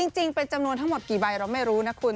จริงเป็นจำนวนทั้งหมดกี่ใบเราไม่รู้นะคุณ